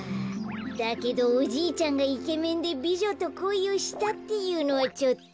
だけどおじいちゃんがイケメンでびじょとこいをしたっていうのはちょっと。